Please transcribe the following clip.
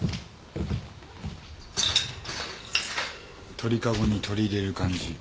鳥籠に鳥入れる感じ。